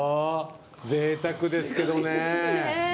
ぜいたくですけどね！